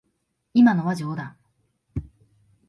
今のは冗談。